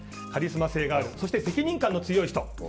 カリスマ性があるそして責任感の強い人。